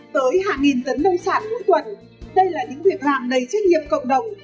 tới hàng nghìn tấn nông sản mỗi tuần đây là những việc làm đầy trách nhiệm cộng đồng